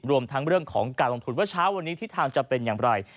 รวมทั้งเรื่องของการลงทุนว่าเช้าวันนี้ทิศทางจะเป็นอย่างไร